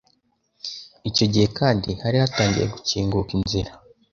Icyo gihe kandi hari hatangiye gukinguka inzira